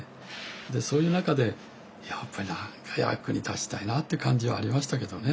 でそういう中でやっぱり何か役に立ちたいなって感じはありましたけどね。